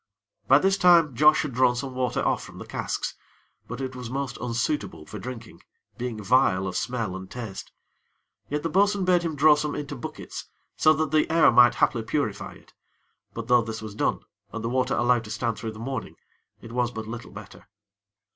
By this time, Josh had drawn some water off from the casks; but it was most unsuitable for drinking, being vile of smell and taste. Yet the bo'sun bade him draw some into buckets, so that the air might haply purify it; but though this was done, and the water allowed to stand through the morning, it was but little better.